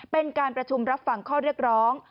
เป็นการประชุมรับฟังข้อเรียกร้อง